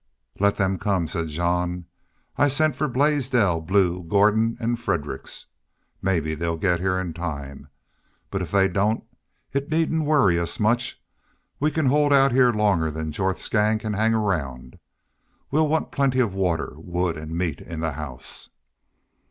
"Let them come," said Jean. "I sent for Blaisdell, Blue, Gordon, and Fredericks. Maybe they'll get here in time. But if they don't it needn't worry us much. We can hold out here longer than Jorth's gang can hang around. We'll want plenty of water, wood, and meat in the house."